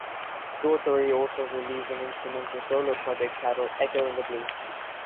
Daugherty also released an instrumental solo project titled "Echo in Blue".